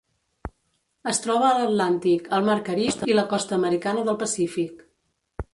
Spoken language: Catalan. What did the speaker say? Es troba a l'Atlàntic, el mar Carib i la costa americana del Pacífic.